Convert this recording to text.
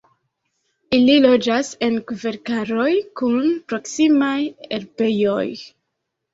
Ili loĝas en kverkaroj kun proksimaj herbejoj.